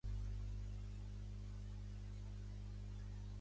El gènere "Pearcea" està molt relacionat.